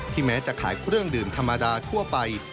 แม้จะขายเครื่องดื่มธรรมดาทั่วไป